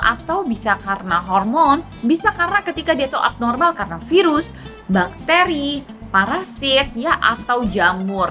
atau bisa karena hormon bisa karena ketika dia itu abnormal karena virus bakteri parasit atau jamur